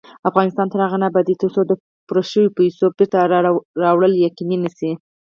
افغانستان تر هغو نه ابادیږي، ترڅو د پورې شوو پیسو بېرته راوړل یقیني نشي.